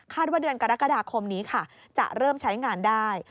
ว่าเดือนกรกฎาคมนี้ค่ะจะเริ่มใช้งานได้